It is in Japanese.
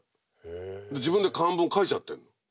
自分で漢文書いちゃってるの。